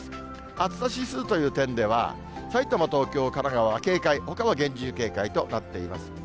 暑さ指数という点では、さいたま、東京、神奈川は警戒、ほかは厳重警戒となっています。